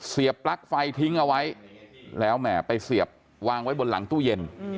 ปลั๊กไฟทิ้งเอาไว้แล้วแหมไปเสียบวางไว้บนหลังตู้เย็น